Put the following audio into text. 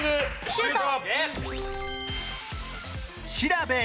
シュート！